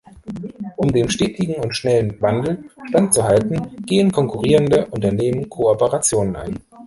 Um dem stetigen und schnellen Wandel Stand zu halten gehen konkurrierende Unternehmen Kooperationen ein.